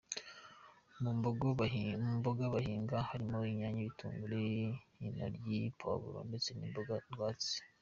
Mu mboga bahinga harimo Inyanya, ibitunguru, intoryi, poivron ndetse n’imboga rwatsi.